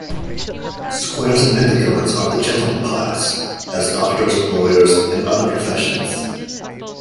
Squares and Pentagons are the "gentlemen" class, as doctors, lawyers, and other professions.